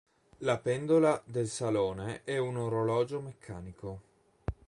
La pendola del salone è un orologio meccanico.